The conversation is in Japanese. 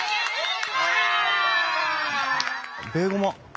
ベイゴマ。